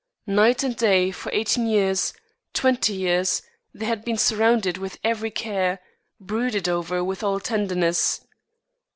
Night and day for eighteen years, twenty years, they had been surrounded with every care, brooded over with all tenderness.